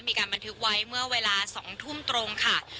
มีการบันทึกไว้เมื่อเวลา๒ทุ่มตรงค่ะ